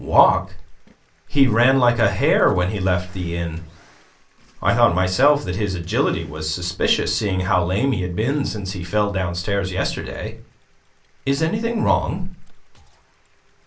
"Walk? He ran like a hare when he left the inn. I thought, myself, that his agility was suspicious, seeing how lame he had been since he fell downstairs yesterday. Is anything wrong?"